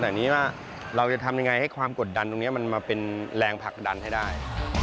แต่นี้ว่าเราจะทำยังไงให้ความกดดันตรงนี้มันมาเป็นแรงผลักดันให้ได้